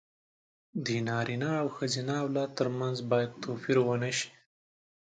د نارينه او ښځينه اولاد تر منځ بايد توپير ونشي.